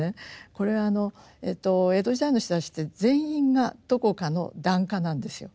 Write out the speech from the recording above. これ江戸時代の人たちって全員がどこかの檀家なんですよ。